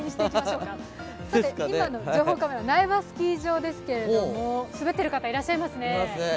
今の情報カメラ、苗場スキー場ですけれども滑っている方いらっしゃいますね。